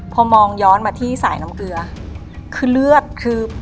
พอมองย้อนมาที่สายน้ำเกลือคือเลือดคือ